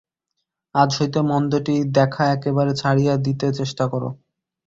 আজ হইতে মন্দটি দেখা একেবারে ছাড়িয়া দিতে চেষ্টা কর।